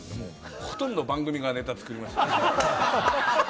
ほとんど番組側がネタ作りましたね。